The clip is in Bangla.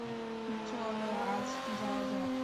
চল, আজ যাওয়া যাক।